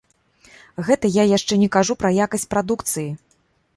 Гэта я яшчэ не кажу пра якасць прадукцыі!